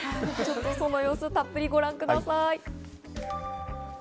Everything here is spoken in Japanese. その様子をたっぷりとご覧ください。